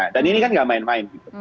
dan ini kan tidak main main